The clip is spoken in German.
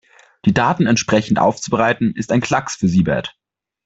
Die Daten entsprechend aufzubereiten, ist ein Klacks für Siebert.